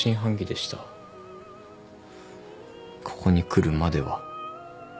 ここに来るまでは。